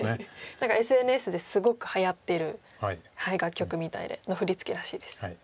何かＳＮＳですごくはやってる楽曲みたいでの振り付けらしいです。